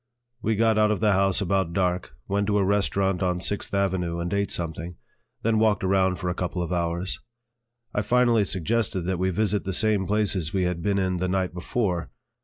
We got out of the house about dark, went to a restaurant on Sixth Avenue and ate something, then walked around for a couple of hours. I finally suggested that we visit the same places we had been in the night before.